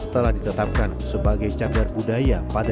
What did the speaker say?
telah ditetapkan sebagai capar budaya pada dua ribu sebelas